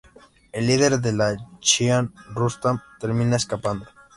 El líder de la Jihad, Rustam, termina escapando.